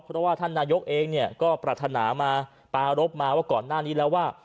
เพราะว่าท่านนายกเองเนี่ยก็ปรารถนามาปารพมาว่าก่อนหน้านี้แล้วว่า